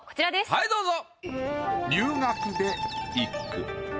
はいどうぞ。